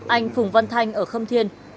anh phùng văn thanh ở khâm thiên